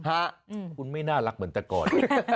คุณไม่น่ารักเหมือนแต่ก่อน